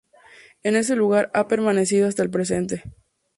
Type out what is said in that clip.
En ese lugar ha permanecido hasta el presente.